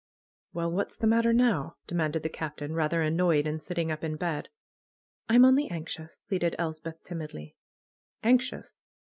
"Well! What's the matter now?" demanded the Captain, rather annoyed, and sitting up in bed. "I'm only anxious," pleaded Elspeth timidly. "Anxious!